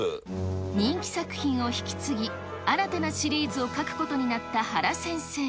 人気作品を引き継ぎ、新たなシリーズを描くことになった原先生。